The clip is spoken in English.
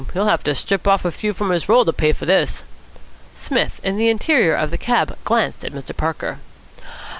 He'll have to strip off a few from his roll to pay for this." Psmith, in the interior of the cab, glanced at Mr. Parker.